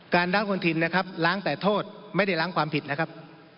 ล้างคนถิ่นนะครับล้างแต่โทษไม่ได้ล้างความผิดนะครับ